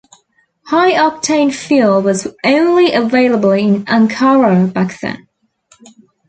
High octane fuel was only available in Ankara back then.